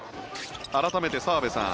改めて澤部さん